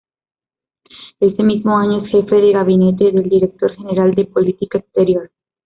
Ese mismo año es Jefe de Gabinete del Director General de Política Exterior.